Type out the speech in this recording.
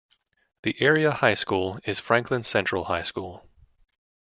The area high school is Franklin Central High School.